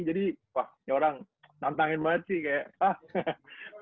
jadi wah ya orang tantangin banget sih kayak